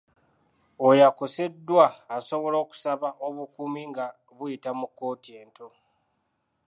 Oyo akoseddwa asobola okusaba obukuumi nga buyita mu kkooti ento.